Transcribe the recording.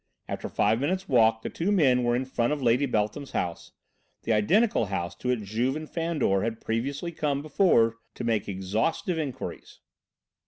After five minutes' walk the two men were in front of Lady Beltham's house, the identical house to which Juve and Fandor had previously come before to make exhaustive inquiries.